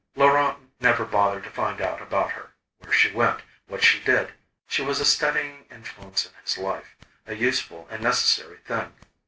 Laurent never bothered to find out about her, where she went, what she did. She was a steadying influence in his life, a useful and necessary thing.